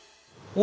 お。